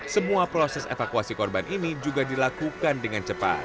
semua proses evakuasi korban ini juga dilakukan dengan cepat